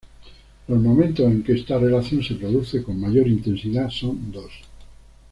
Los momentos en que esta relación se produce con mayor intensidad son dos.